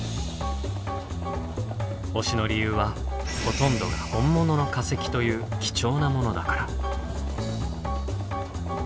推しの理由はほとんどが本物の化石という貴重なものだから。